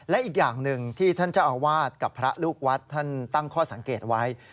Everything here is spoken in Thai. และอีกอย่างหนึ่งที่ท่านเจ้าอาวาสกับพระลูกวัดท่านตั้งข้อสังเกตไว้